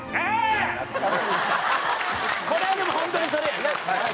これはでもホントにそれやな。